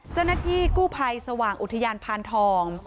เจ้าหน้าที่กู้ภัยสว่างอุทยานพานทอง